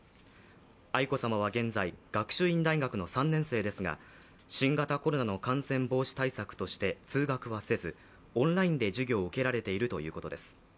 愛子さまは現在学習院大学の３年生ですが新型コロナの感染防止対策として通学はせずオンラインで授業を受けられているということです。